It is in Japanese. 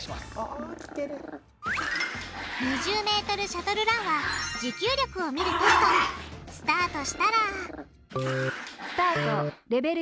２０ｍシャトルランはスタートしたら「スタートレベル１」。